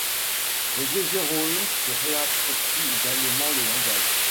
Les deux héroïnes se réapproprient également le langage.